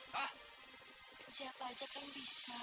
kerja apa aja kan bisa